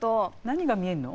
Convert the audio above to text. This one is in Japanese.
何が見えるの？